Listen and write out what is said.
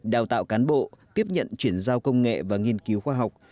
đào tạo cán bộ tiếp nhận chuyển giao công nghệ và nghiên cứu khoa học